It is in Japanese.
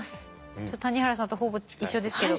ちょっと谷原さんとほぼ一緒ですけど。